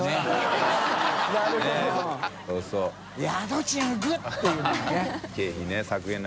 はい。